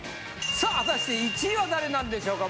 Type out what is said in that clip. さあ果たして１位は誰なんでしょうか？